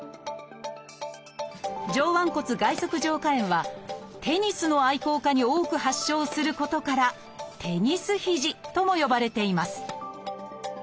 上腕骨外側上顆炎はテニスの愛好家に多く発症することから「テニス肘」とも呼ばれています。